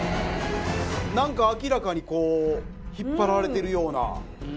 何か明らかにこう引っ張られているような。